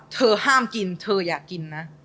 ห้ามกินเธออยากกินนะ